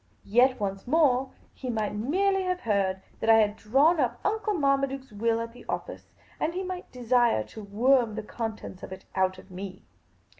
Yet once more, he might merely have heard that I had drawn up Uncle Marmaduke's will at the office, and he might desire to worm the contents of it out of me.